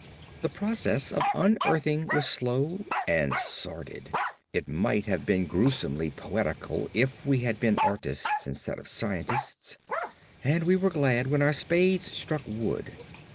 The process of unearthing was slow and sordid—it might have been gruesomely poetical if we had been artists instead of scientists—and we were glad when our spades struck wood.